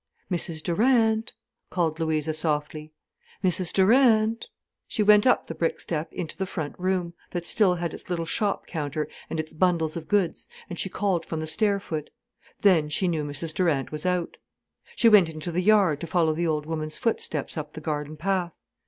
"Mrs Durant," called Louisa softly, "Mrs Durant." She went up the brick step into the front room, that still had its little shop counter and its bundles of goods, and she called from the stair foot. Then she knew Mrs Durant was out. She went into the yard to follow the old woman's footsteps up the garden path.